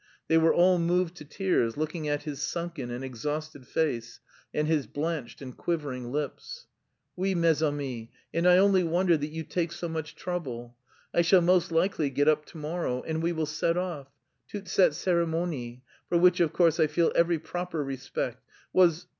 They were all moved to tears looking at his sunken and exhausted face and his blanched and quivering lips. "Oui, mes amis, and I only wonder that you... take so much trouble. I shall most likely get up to morrow, and we will... set off.... Toute cette cérémonie... for which, of course, I feel every proper respect... was..."